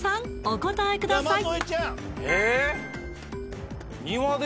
お答えください